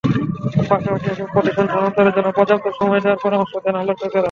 পাশাপাশি এসব প্রতিষ্ঠান স্থানান্তরের জন্য পর্যাপ্ত সময় দেওয়ারও পরামর্শ দেন আলোচকেরা।